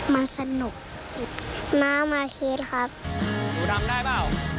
มันสนุกมากมากครับ